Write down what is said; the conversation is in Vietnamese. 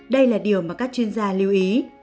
đây là điều mà các chuyên gia lưu ý